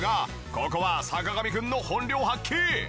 ここは坂上くんの本領発揮！